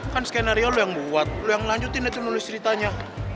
kan skenario lu yang buat lo yang lanjutin itu nulis ceritanya